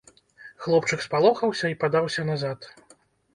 Хлопчык спалохаўся і падаўся назад.